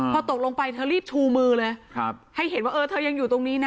พอตกลงไปเธอรีบชูมือเลยให้เห็นว่าเออเธอยังอยู่ตรงนี้นะ